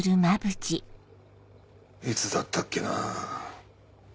いつだったっけなぁ。